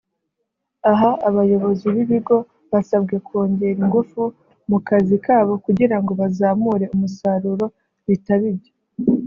Aha abayobozi b’ibi bigo basabwe kongera ingufu mu kazi kabo kugirango bazamure umusaruro bitaba ibyo